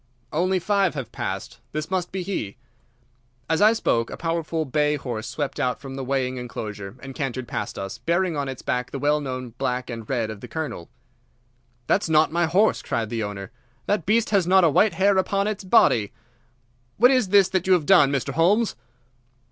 "Only five have passed. This must be he." As I spoke a powerful bay horse swept out from the weighing enclosure and cantered past us, bearing on its back the well known black and red of the Colonel. "That's not my horse," cried the owner. "That beast has not a white hair upon its body. What is this that you have done, Mr. Holmes?"